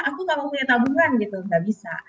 aku kalau punya tabungan gitu nggak bisa